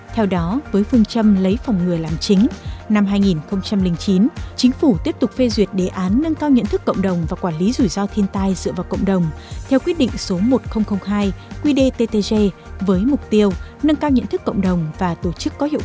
theo đó với phương châm lấy phòng người làm chính năm hai nghìn chín chính phủ tiếp tục phê duyệt đề án nâng cao nhận thức cộng đồng và quản lý rủi ro thiên tai dựa vào cộng đồng theo quyết định số một nghìn hai quy đề ttg với mục tiêu nâng cao nhận thức cộng đồng và tổ chức có hiệu quả